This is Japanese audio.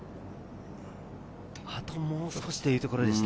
あともう少しというところでした。